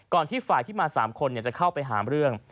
ที่ฝ่ายที่มา๓คนจะเข้าไปหาเรื่อง